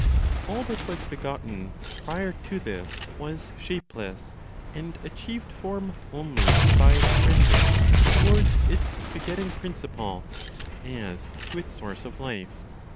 All that was begotten prior to this was shapeless, and achieved form only by trending towards its begetting principle, as to its source of life.